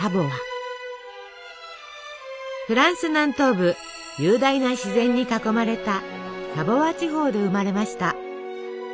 フランス南東部雄大な自然に囲まれたサヴォワ地方で生まれました。